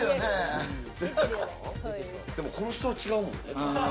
でも、この人は違うもんね。